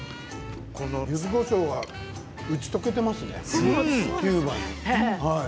ゆずこしょうが打ち解けていますね、キューバに。